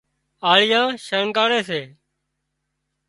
آۯيئان شڻڳاري سي